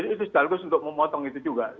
itu sekaligus untuk memotong itu juga